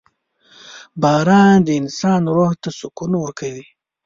• باران د انسان روح ته سکون ورکوي.